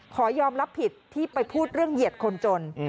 ขอยอมรับผิดที่ไปพูดเรื่องเหยียดคนจน